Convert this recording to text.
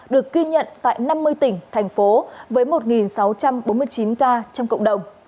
được ghi nhận tại năm mươi tỉnh thành phố với một sáu trăm bốn mươi chín ca trong cộng đồng